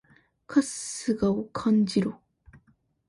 春日を感じろ！